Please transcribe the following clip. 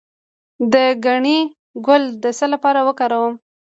د ګنی ګل د څه لپاره وکاروم؟